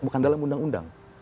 bukan dalam undang undang